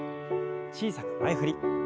小さく前振り。